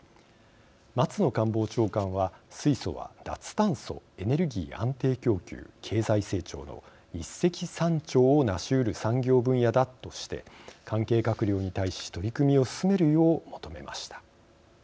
松野官房長官は水素は脱炭素エネルギー安定供給経済成長の一石三鳥をなしうる産業分野だとして関係閣僚に対し取り組みを進めるよう求めました。